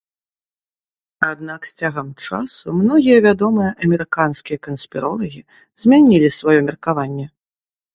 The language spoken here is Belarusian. Аднак з цягам часу многія вядомыя амерыканскія канспіролагі змянілі сваё меркаванне.